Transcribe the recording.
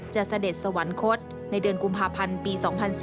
เสด็จสวรรคตในเดือนกุมภาพันธ์ปี๒๔